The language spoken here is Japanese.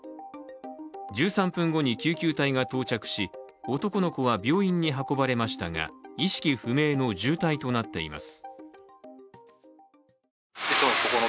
１３分後に救急隊が到着し、男の子は病院に運ばれましたが意識不明の重体となっています。